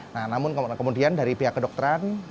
nah namun kemudian dari pihak kedokteran